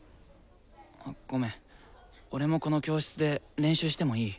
ごめん俺もこの教室で練習してもいい？